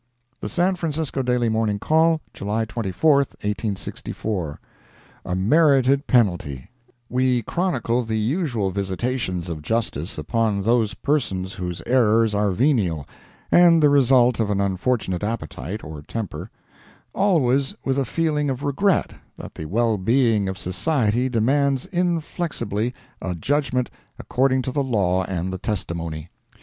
The San Francisco Daily Morning Call, July 24, 1864 A MERITED PENALTY We chronicle the usual visitations of justice upon those persons whose errors are venial, and the result of an unfortunate appetite, or temper, always with a feeling of regret that the well being of society demands inflexibly a judgment "according to the law and the testimony."